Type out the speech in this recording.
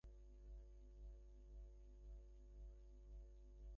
খোড়ো চালের ঘরে আষাঢ়-সন্ধ্যাবেলায় ছেলেরা সেগুলো হাঁ করে শোনে।